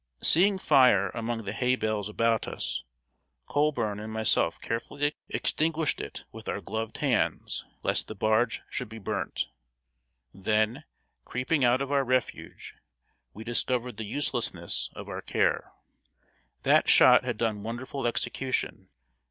Seeing fire among the hay bales about us, Colburn and myself carefully extinguished it with our gloved hands, lest the barge should be burnt. Then, creeping out of our refuge, we discovered the uselessness of our care. That shot had done wonderful execution.